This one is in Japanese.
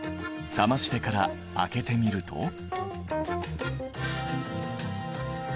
冷ましてから開けてみると。